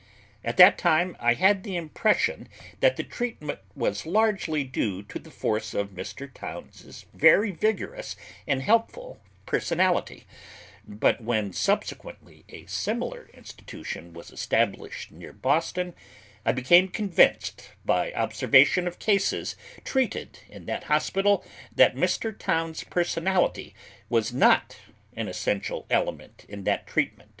At that time I had the impression that the treatment was largely due to the force of Mr. Towns's very vigorous and helpful personality, but when subsequently a similar institution was established near Boston, I became convinced by observation of cases treated in that hospital that Mr. Towns's personality was not an essential element in that treatment.